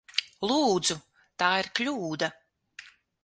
Lūdzu! Tā ir kļūda!